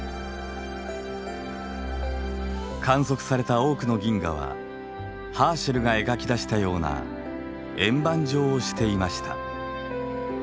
観測された多くの銀河はハーシェルが描き出したような円盤状をしていました。